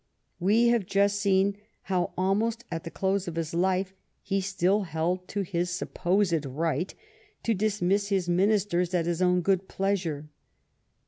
We have just seen how almost at the close of his life he still held to his sup posed right to dismiss his Ministers at his own good pleasure.